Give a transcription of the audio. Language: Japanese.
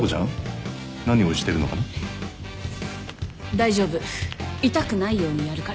大丈夫痛くないようにやるから。